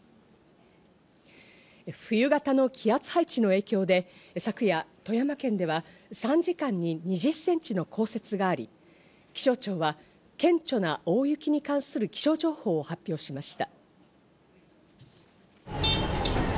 冬型の気圧配置の影響で昨夜、富山県では３時間に２０ｃｍの降雪があり、気象庁は、顕著な大雪に関する気象情報を発表しました。